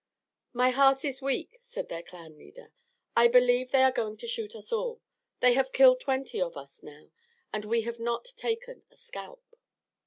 "My heart is weak," said their clan leader. "I believe they are going to shoot us all. They have killed twenty of us now, and we have not taken a scalp."